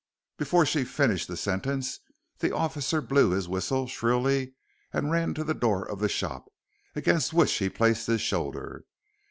Before she finished the sentence the officer blew his whistle shrilly and ran to the door of the shop, against which he placed his shoulder.